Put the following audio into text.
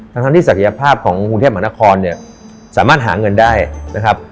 ทั้งที่ศักยภาพของกรุงเทพมหานครเนี่ยสามารถหาเงินได้นะครับ